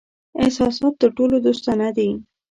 احساسات تر ټولو دوستانه دي.